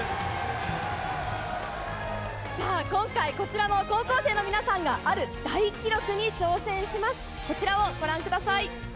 さあ、今回、こちらの高校生の皆さんが、ある大記録に挑戦します。